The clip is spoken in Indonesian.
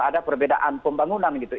ada perbedaan pembangunan gitu